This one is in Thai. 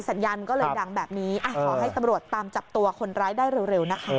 สัญญาณมันก็เลยดังแบบนี้ขอให้ตำรวจตามจับตัวคนร้ายได้เร็วนะคะ